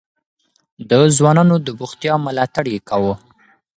د ځوانانو د بوختيا ملاتړ يې کاوه.